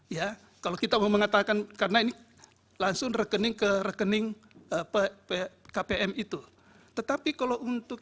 ya kalau kita mau mengatakan karena ini langsung rekening ke rekening kpm itu tetapi kalau untuk